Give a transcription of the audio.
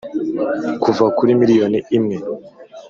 kuva kuri miliyoni imwe